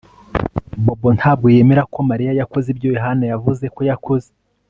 Bobo ntabwo yemera ko Mariya yakoze ibyo Yohana yavuze ko yakoze